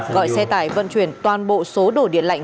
gọi xe tải vận chuyển toàn bộ số đồ điện lạnh